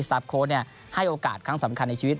ตาร์ฟโค้ดให้โอกาสครั้งสำคัญในชีวิต